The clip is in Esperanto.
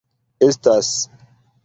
Estas...